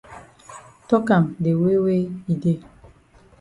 Tok am de way wey e dey.